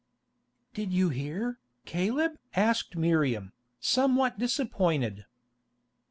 "Did you hear, Caleb?" asked Miriam, somewhat disappointed.